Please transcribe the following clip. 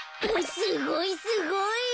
すごいすごい！